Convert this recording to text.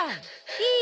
いい？